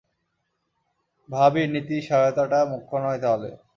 ভাবি, নীতি সহায়তাটা মুখ্য নয় তাহলে।